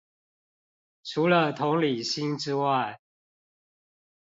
除了同理心之外